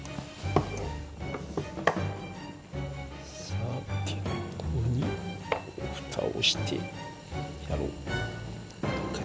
さてここにふたをしてやろうかな。